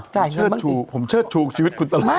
เชื่อชูผมเชื่อชูชีวิตคุณตลอด